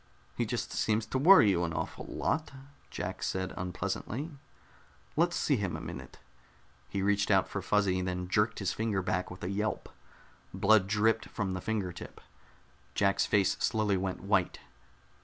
"He just seems to worry you an awful lot," Jack said unpleasantly. "Let's see him a minute." He reached out for Fuzzy, then jerked his finger back with a yelp. Blood dripped from the finger tip. Jack's face slowly went white.